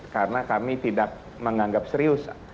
karena kami tidak menganggap serius